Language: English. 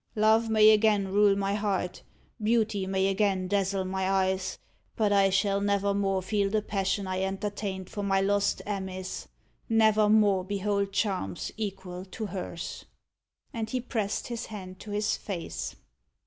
Love may again rule my heart beauty may again dazzle my eyes, but I shall never more feel the passion I entertained for my lost Amice never more behold charms equal to hers." And he pressed his hand to his face.